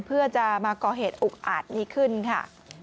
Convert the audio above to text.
เพื่อจะมาก่อเหตุอุกอาจนี้ขึ้นค่ะ